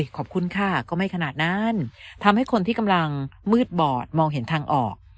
ขอบคุณค่ะก็ไม่ขนาดนั้นทำให้คนที่กำลังมืดบอดมองเห็นทางออก